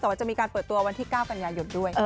แต่ว่าจะมีการเปิดตัววันที่๙กันยายนด้วย